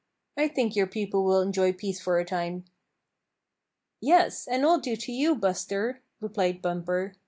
I think your people will enjoy peace for a time." "Yes, and all due to you, Buster," replied Bumper.